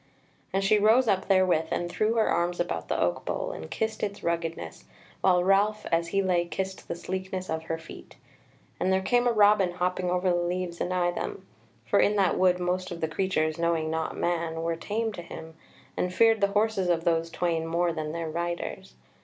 And she rose up therewith and threw her arms about the oak bole and kissed its ruggedness, while Ralph as he lay kissed the sleekness of her feet. And there came a robin hopping over the leaves anigh them, for in that wood most of the creatures, knowing not man, were tame to him, and feared the horses of those twain more than their riders.